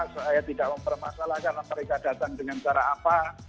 saya tidak mempermasalahkan mereka datang dengan cara apa